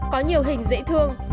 có nhiều hình dễ thương